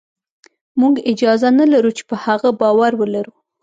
موږ اجازه نه لرو چې په هغه باور ولرو